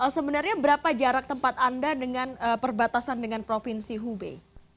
sebenarnya berapa jarak tempat anda dengan perbatasan dengan provinsi hubei